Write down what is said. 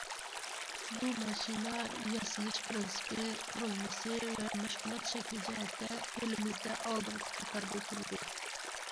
بۇ ماشىنا ياسىلىش پىرىنسىپى، قۇرۇلمىسى ۋە مەشغۇلات شەكلى جەھەتتە ئېلىمىزدە ئالدىنقى قاتاردا تۇرىدۇ.